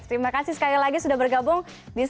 terima kasih sekali lagi sudah bergabung di cnn